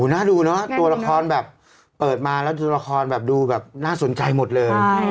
น่าดูนะตัวละครเปิดมาแล้วตัวละครดูแบบน่าสนใจหมดเลย